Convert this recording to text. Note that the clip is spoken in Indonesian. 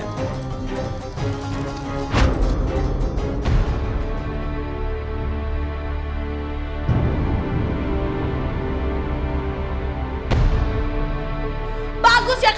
aku mau ngajak